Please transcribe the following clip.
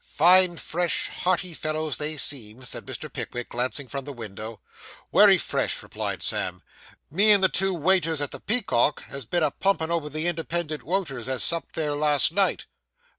'Fine, fresh, hearty fellows they seem,' said Mr. Pickwick, glancing from the window. 'Wery fresh,' replied Sam; 'me and the two waiters at the Peacock has been a pumpin' over the independent woters as supped there last night.